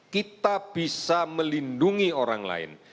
kita bisa melindungi orang lain